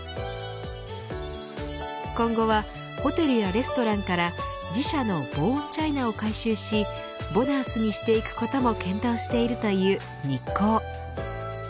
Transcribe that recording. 今後は、ホテルやレストランから自社のボーンチャイナを回収しボナースにしていくことも検討しているというニッコー。